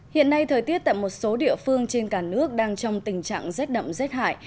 hiện nay thời tiết tại một số địa phương trên cả nước đang trong tình trạng rét đậm rét hại